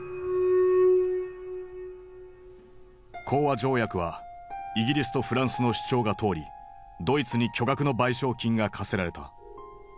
講和条約はイギリスとフランスの主張が通りドイツに巨額の賠償金が科せられた。